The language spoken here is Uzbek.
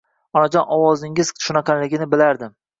Onajon, ovozingiz shunaqaligini bilardim